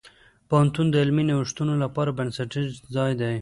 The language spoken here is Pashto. پوهنتون د علمي نوښتونو لپاره بنسټیز ځای دی.